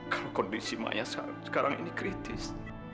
kalau kondisi makya sekarang ini kritis